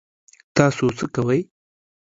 تاسو څه کوئ؟